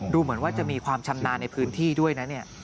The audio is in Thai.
ดูเหมือนว่าจะมีความชำนาญในพื้นที่ด้วยนะเนี่ย